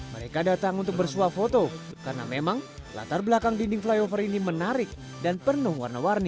mereka datang untuk bersuah foto karena memang latar belakang dinding flyover ini menarik dan penuh warna warni